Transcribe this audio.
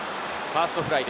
ファーストフライ。